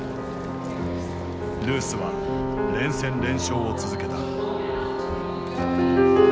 ルースは連戦連勝を続けた。